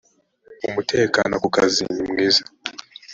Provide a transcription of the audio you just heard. umutekano ku kazi nimwiza